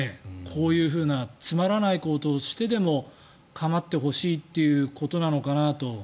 こういうふうなつまらないことをしてでも構ってほしいということなのかなと。